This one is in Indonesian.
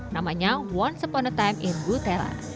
namanya once upon a time in butera